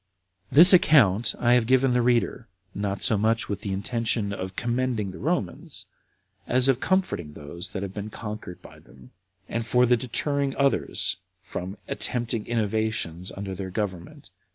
8. This account I have given the reader, not so much with the intention of commending the Romans, as of comforting those that have been conquered by them, and for the deterring others from attempting innovations under their government.